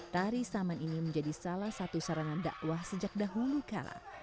tarisaman ini menjadi salah satu sarana dakwah sejak dahulu kala